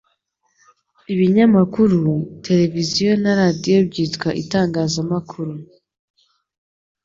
Ibinyamakuru, televiziyo, na radiyo byitwa itangazamakuru.